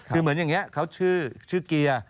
คือเหมือนอย่างนี้เขาชื่อเกียร์